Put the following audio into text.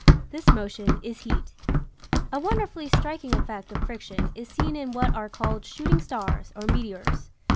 This motion is heat. A wonderfully striking effect of friction is seen in what are called shooting stars or meteors.